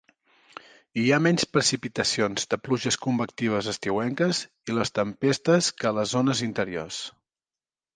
Hi ha menys precipitacions de pluges convectives estiuenques i les tempestes que a les zones interiors.